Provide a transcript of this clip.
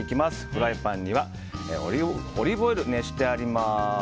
フライパンにはオリーブオイル熱してあります。